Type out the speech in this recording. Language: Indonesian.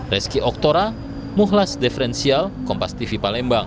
reski oktora muhlas deferensial kompas tv palembang